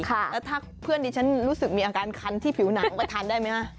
แล้วถ้าเพื่อนดิฉันรู้สึกมีอาการคันที่ผิวหนังก็ทานได้ไหมฮะ